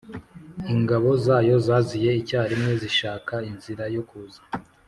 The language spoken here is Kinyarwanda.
Ingabo zayo zaziye icyarimwe Zishaka inzira yo kuza